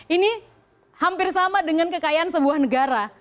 ini hampir sama dengan kekayaan sebuah negara